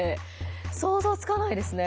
想像つかないですね。